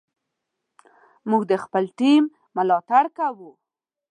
موږ د خپل ټیم ملاتړ کوو.